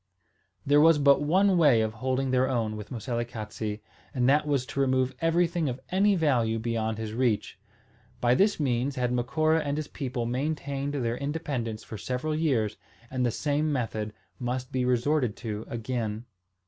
There was but one way of holding their own with Moselekatse; and that was to remove everything of any value beyond his reach. By this means had Macora and his people maintained their independence for several years, and the same method must be resorted to again.